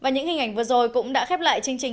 và những hình ảnh vừa rồi cũng đã khép lại chương trình